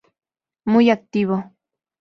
Muy activo.